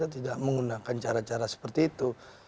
tidak menggunakan cara cara seperti itu